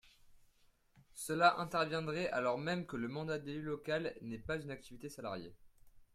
Cela interviendrait alors même que le mandat d’élu local n’est pas une activité salariée.